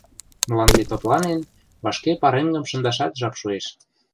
Мланде топланен, вашке пареҥгым шындашат жап шуэш.